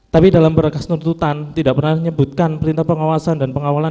tapi dalam berkas tuntutan tidak pernah menyebutkan perintah pengawasan dan pengawalan